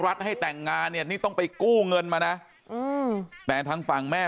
ให้แต่งงานเนี่ยนี่ต้องไปกู้เงินมานะแต่ทางฝั่งแม่